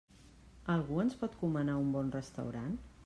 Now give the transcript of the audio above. Algú ens pot comanar un bon restaurant?